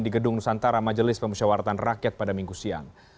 di gedung nusantara majelis pemusyawaratan rakyat pada minggu siang